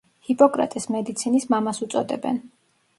ჰიპოკრატეს „მედიცინის მამას“ უწოდებენ.